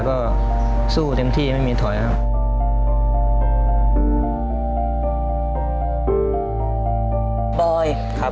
ก็สู้เต็มที่ไม่มีถอยครับ